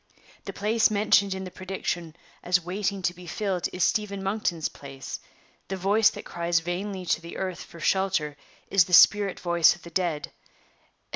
The place mentioned in the prediction as waiting to be filled is Stephen Monkton's place; the voice that cries vainly to the earth for shelter is the spirit voice of the dead.